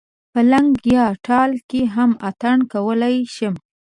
په لګن یا تال کې هم اتڼ کولای شم.